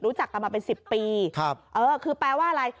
รู้จักกันมาเป็น๑๐ปีคือแปลว่าอะไร